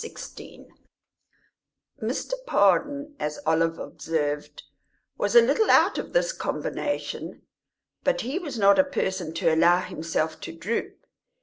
XVI Mr. Pardon, as Olive observed, was a little out of this combination; but he was not a person to allow himself to droop.